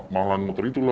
mahalan motor itulah